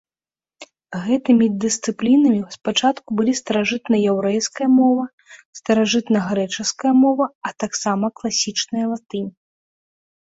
Гэтымі дысцыплінамі спачатку былі старажытнаяўрэйская мова, старажытнагрэчаская мова, а таксама класічная латынь.